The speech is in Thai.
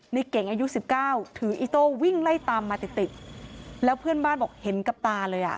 นี่เก่งอายุ๑๙ถืออิตโตวิ่งไล่ตามมาติดแล้วเพื่อนบ้านบอกเห็นกับตาเลย